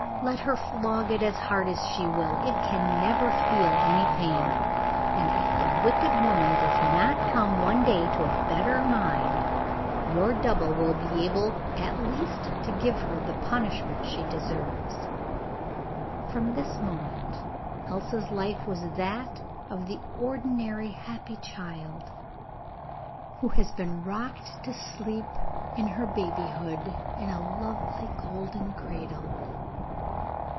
Let her flog it as hard as she will, it can never feel any pain. And if the wicked woman does not come one day to a better mind your double will be able at last to give her the punishment she deserves.' From this moment Elsa's life was that of the ordinary happy child, who has been rocked to sleep in her babyhood in a lovely golden cradle.